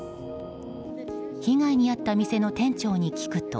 被害に遭った店の店長に聞くと。